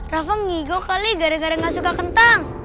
rafa ngigau kali gara gara nggak suka kentang